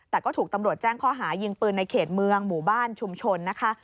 แต่ก็ถูกตำรวจแจ้งข้อหายิงปืนในเขตเมืองหมู่บ้านชุมชนนะคะ